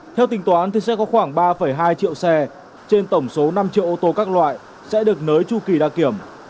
theo tính toán sẽ có khoảng ba hai triệu xe trên tổng số năm triệu ô tô các loại sẽ được nới chu kỳ đăng kiểm